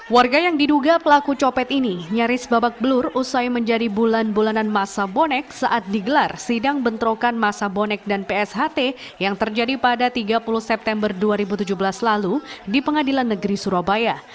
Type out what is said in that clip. warga yang diduga pelaku copet ini nyaris babak belur usai menjadi bulan bulanan masa bonek saat digelar sidang bentrokan masa bonek dan psht yang terjadi pada tiga puluh september dua ribu tujuh belas lalu di pengadilan negeri surabaya